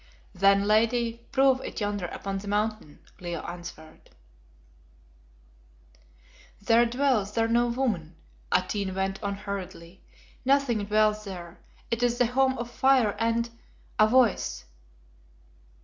"Then, lady, prove it yonder upon the Mountain," Leo answered. "There dwells there no woman," Atene went on hurriedly, "nothing dwells there. It is the home of fire and a Voice."